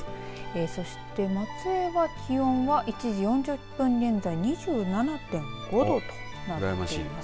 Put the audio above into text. そして松江は気温が１時４０分現在２７．５度となっています。